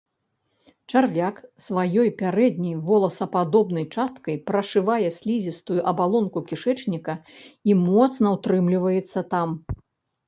Чарвяк сваёй пярэдняй воласападобнай часткай прашывае слізістую абалонку кішэчніка і моцна ўтрымліваецца там.